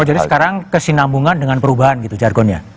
oh jadi sekarang kesinambungan dengan perubahan gitu jargonnya